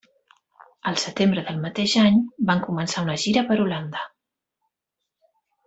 Al setembre del mateix any van començar una gira per Holanda.